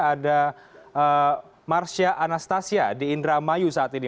ada marsya anastasia di indramayu saat ini